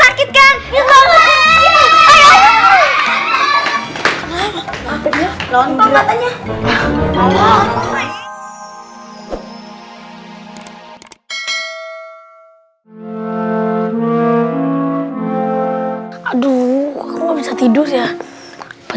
aku gak bisa tidur ya